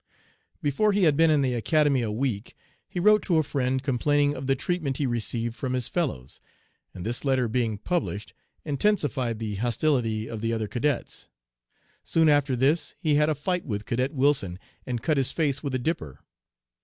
"Before he had been in the Academy a week he wrote to a friend complaining of the treatment he received from his fellows, and this letter being published intensified the hostility of the other cadets. Soon after this he had a fight with Cadet Wilson and cut his face with a dipper.